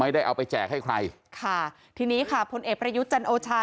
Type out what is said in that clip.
ไม่ได้เอาไปแจกให้ใครค่ะทีนี้ค่ะพลเอกประยุทธ์จันโอชา